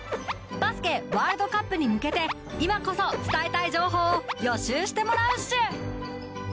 バスケワールドカップに向けて今こそ伝えたい情報を予習してもらうっシュ！